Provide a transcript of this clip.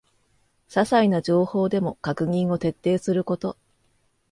ささいな情報でも確認を徹底すること